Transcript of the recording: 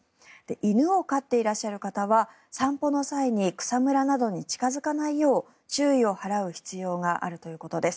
犬を飼っていらっしゃる方は散歩の際に草むらなどに近付かないよう注意を払う必要があるということです。